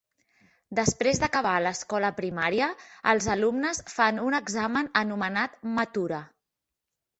Desprès d'acabar l'escola primària, els alumnes fan un examen anomenat "matura".